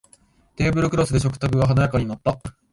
テーブルクロスで食卓が華やかになった